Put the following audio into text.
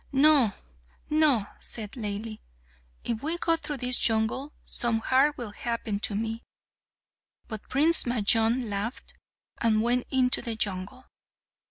"No, no," said Laili; "if we go through this jungle, some harm will happen to me." But Prince Majnun laughed, and went into the jungle.